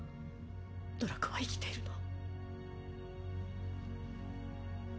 ドラコは生きているの？